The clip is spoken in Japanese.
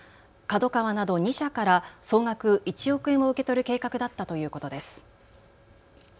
ＫＡＤＯＫＡＷＡなど２社から総額１億円を受け取る計画だったということです。